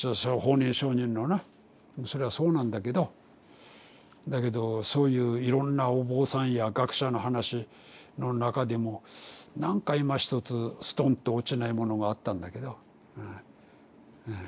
それはそうなんだけどだけどそういういろんなお坊さんや学者の話の中でもなんかいまひとつすとんと落ちないものがあったんだけどうんうん。